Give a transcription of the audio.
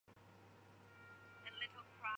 清末民初学者。